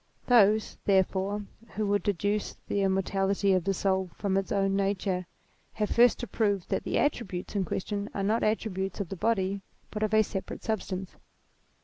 Those, therefore, who would deduce the immortality of the soul from its own nature have first to prove that the attributes in question are not attri butes of the body but of a separate substance.